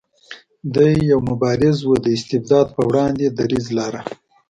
دی یو مبارز و د استبداد په وړاندې دریځ لاره.